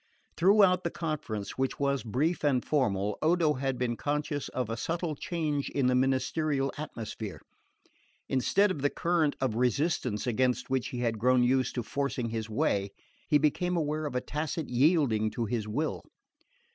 Throughout the conference, which was brief and formal, Odo had been conscious of a subtle change in the ministerial atmosphere. Instead of the current of resistance against which he had grown used to forcing his way, he became aware of a tacit yielding to his will.